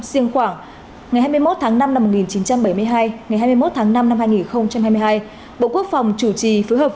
riêng khoảng ngày hai mươi một tháng năm năm một nghìn chín trăm bảy mươi hai ngày hai mươi một tháng năm năm hai nghìn hai mươi hai bộ quốc phòng chủ trì phối hợp